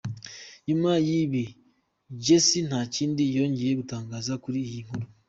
Nyuma y’ibi Jessy nta kindi yongeye gutangaza kuri iyi nkuru.